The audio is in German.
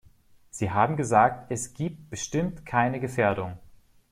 Sie haben gesagt, es gibt bestimmt keine Gefährdung.